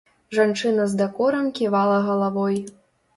Жанчына з дакорам ківала галавой.